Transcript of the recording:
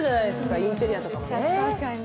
インテリアとかもね。